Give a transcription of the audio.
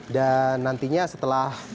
dan nantinya setelah